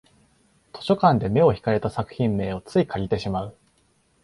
図書館で目を引かれた作品名をつい借りてしまう